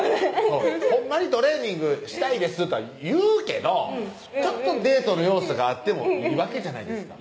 「ほんまにトレーニングしたいです」とは言うけどちょっとデートの要素があってもいいわけじゃないですか